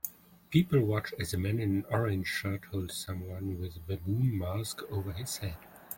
People watch as a man in an orange shirt holds someone with a baboon mask over his head